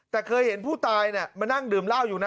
แต่เคยเห็นผู้ตายมานั่งดื่มเหล้าอยู่นะ